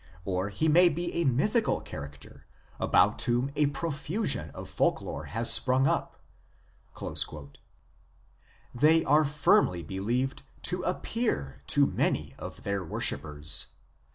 Or he may be a mythical character about whom a profusion of folk lore has sprung up." They are firmly believed to appear to many of their worshippers.